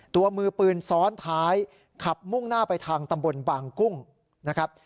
ตัวมือปืนซ้อนท้ายขับมุ่งหน้าไปทางตำบลบางกุ้งนะครับ